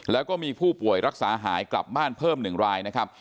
แล้วก็มีผู้ป่วยรักษาหายกลับบ้านเพิ่ม๑รายนะครับ